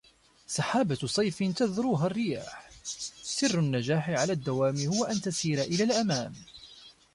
سحابة صيف تذروها الرياح سر النجاح على الدوام هو أن تسير إلى الأمام